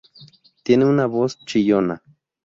Tiene una voz chillona.